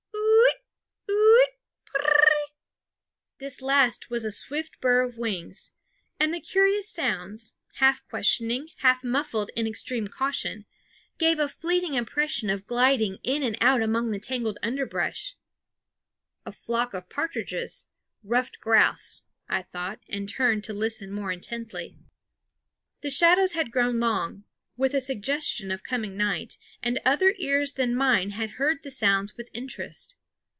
Ooo it, ooo it? Pr r reeee_! this last with a swift burr of wings. And the curious sounds, half questioning, half muffled in extreme caution, gave a fleeting impression of gliding in and out among the tangled underbrush. "A flock of partridges ruffed grouse," I thought, and turned to listen more intently. The shadows had grown long, with a suggestion of coming night; and other ears than mine had heard the sounds with interest.